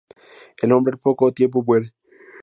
El hombre al poco tiempo muere.